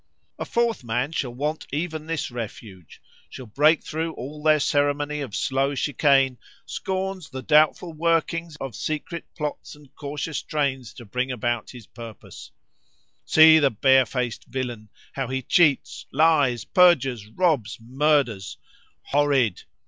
] "A fourth man shall want even this refuge;—shall break through all their ceremony of slow chicane;—scorns the doubtful workings of secret plots and cautious trains to bring about his purpose:——See the bare faced villain, how he cheats, lies, perjures, robs, murders!—Horrid!